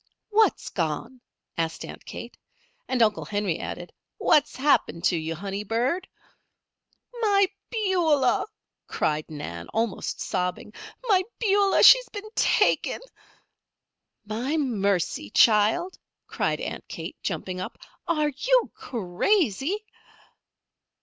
"What's gone?" asked Aunt Kate, and Uncle Henry added: "What's happened to you, honey bird?" "My Beulah!" cried Nan, almost sobbing. "My Beulah, she's been taken!" "My mercy, child!" cried Aunt Kate, jumping up. "Are you crazy?"